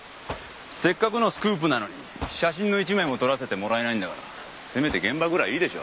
せっかくのスクープなのに写真の１枚も撮らせてもらえないんだからせめて現場ぐらいいいでしょ。